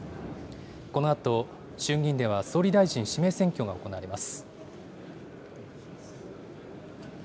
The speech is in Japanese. このあと、衆議院では総理大臣指名選挙が行われます。